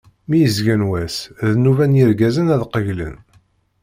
Mi yezgen wass, d nnuba n yirgazen ad qegglen.